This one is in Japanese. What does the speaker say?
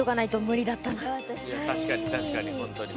確かに確かに本当に本当に。